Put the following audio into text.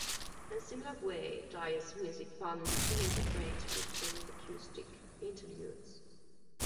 In a similar way, Dio's music balanced torrents of rage with brief acoustic interludes.